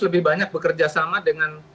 lebih banyak bekerja sama dengan